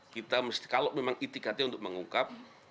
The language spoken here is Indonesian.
kita kalau memang itik hati untuk mengungkap